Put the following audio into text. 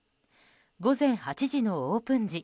午前８時のオープン時